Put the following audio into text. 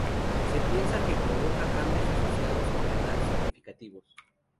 Se piensa que provoca cambios asociados con la edad significativos.